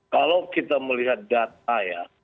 kalau kita melihat data ya